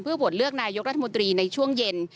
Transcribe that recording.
เพื่อบวชเลือกนายยกรัฐมนตรีในช่วงเย็น